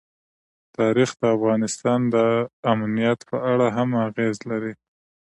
تاریخ د افغانستان د امنیت په اړه هم اغېز لري.